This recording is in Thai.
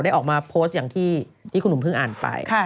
ออกมาโพสต์อย่างที่คุณหนุ่มเพิ่งอ่านไป